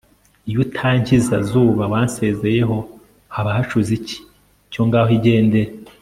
iyo utankiza ... zuba wansanzeho, haba hacuze iki? cyo ngaho igendere